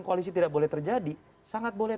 koalisi tidak boleh terjadi sangat boleh